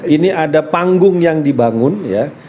ini ada panggung yang dibangun ya